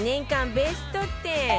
ベスト１０